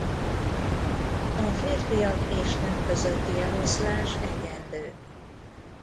A férfiak és nők közötti eloszlás egyenlő.